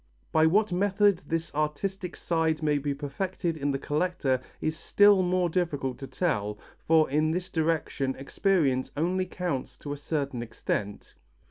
By what method this artistic side may be perfected in the collector is still more difficult to tell, for in this direction experience only counts to a certain extent.